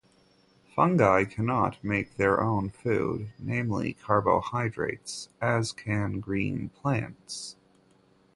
Fungi cannot make their own food, namely carbohydrates, as can green plants.